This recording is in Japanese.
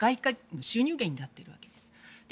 収入源になっているわけです。